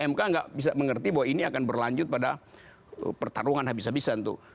mk nggak bisa mengerti bahwa ini akan berlanjut pada pertarungan habis habisan tuh